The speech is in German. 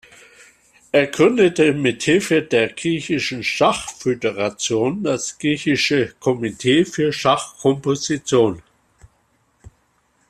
Er gründete mit Hilfe der Griechischen Schachföderation das Griechische Komitee für Schachkomposition.